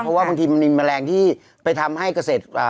เพราะว่าบางทีมันมีแมลงที่ไปทำให้เกษตรอ่า